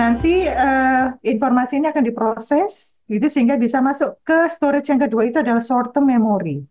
nanti informasi ini akan diproses sehingga bisa masuk ke storage yang kedua itu adalah short term memory